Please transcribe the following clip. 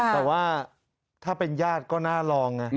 แต่ว่าถ้าเป็นญาติก็น่าลองไง